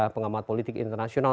pengamat politik internasional